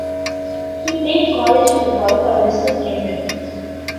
He played college football for Western Kentucky.